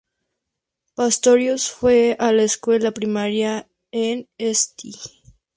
Pastorius fue a la escuela primaria en St.